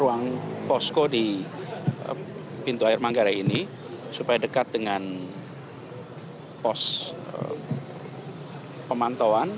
ruang posko di pintu air manggarai ini supaya dekat dengan pos pemantauan